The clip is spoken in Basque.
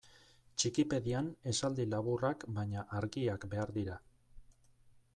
Txikipedian esaldi laburrak baina argiak behar dira.